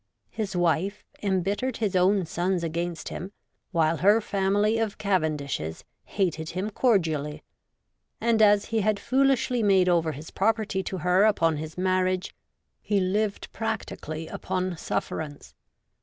His wife embittered his own sons against him, while her family of Cavendishes hated him cordially, and, as he had foolishly made over his property to her upon his marriage, he lived practi cally upon sufferance.